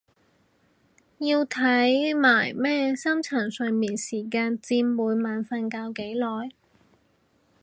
要睇埋咩深層睡眠時間佔每晚瞓覺幾耐？